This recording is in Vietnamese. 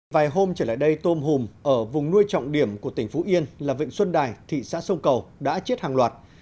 vài hôm trở lại đây tôm hùm ở vùng nuôi trọng điểm của tỉnh phú yên là vịnh xuân đài thị xã sông cầu đã chết hàng loạt